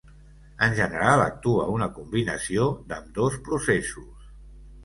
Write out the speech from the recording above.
En general actua una combinació d'ambdós processos.